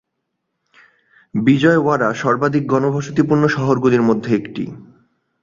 বিজয়ওয়াড়া সর্বাধিক ঘনবসতিপূর্ণ শহরগুলির মধ্যে একটি।